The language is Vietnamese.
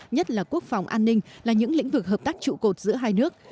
nhất là quốc phòng an ninh là những lĩnh vực hợp tác trụ cột giữa hai nước